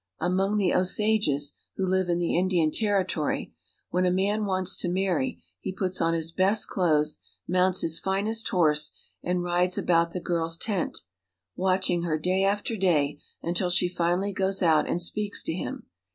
Among the Osages, who Hve in the Indian Ter ritory, when a man wants to marry he puts on his best clothes, mounts his finest horse, and rides about the girl's tent, watching her day after day, until she finally goes out and speaks to him.